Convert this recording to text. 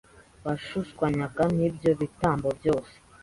washushanywaga n'ibyo bitambo byose.